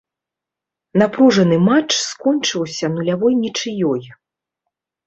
Напружаны матч скончыўся нулявой нічыёй.